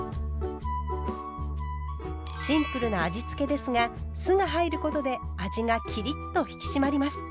シンプルな味付けですが酢が入ることで味がきりっと引き締まります。